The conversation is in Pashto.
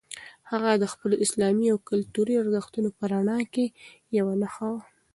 هغه د خپلو اسلامي او کلتوري ارزښتونو په رڼا کې یوه نښه وه.